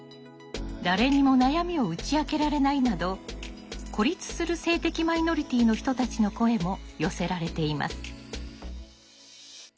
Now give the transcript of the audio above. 「誰にも悩みを打ち明けられない」など孤立する性的マイノリティーの人たちの声も寄せられています。